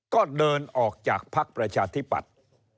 ก็เดินออกจากภักดิ์ประชาธิปัตย์